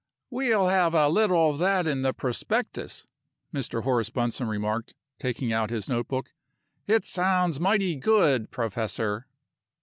"We'll have a little of that in the prospectus," Mr. Horace Bunsome remarked, taking out his notebook. "It sounds mighty good, professor."